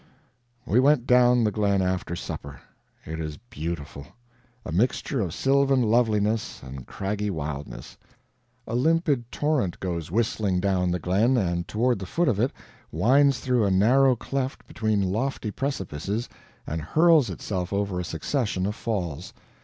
We went down the glen after supper. It is beautiful a mixture of sylvan loveliness and craggy wildness. A limpid torrent goes whistling down the glen, and toward the foot of it winds through a narrow cleft between lofty precipices and hurls itself over a succession of falls.